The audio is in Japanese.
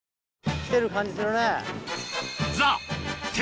きてる感じするね。